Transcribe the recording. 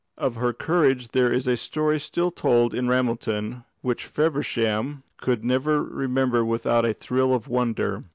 Of her courage there is a story still told in Ramelton, which Feversham could never remember without a thrill of wonder.